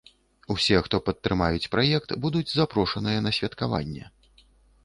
Усе, хто падтрымаюць праект, будуць запрошаныя на святкаванне.